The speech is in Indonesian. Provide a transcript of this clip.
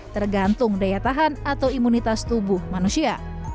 tergantung daya tahan atau imunitas tubuh manusia